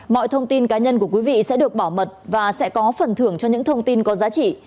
mọi thông tin cá nhân của quý vị sẽ được bảo mật và sẽ có phần thưởng cho những thông tin có giá trị